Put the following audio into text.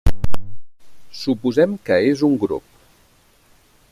Suposem que és un grup.